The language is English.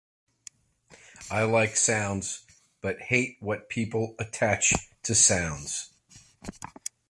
I like sounds, but hate what people attach to sounds.